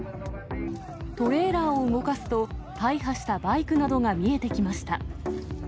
トレーラーを動かすと、大破したバイクなどが見えてきました。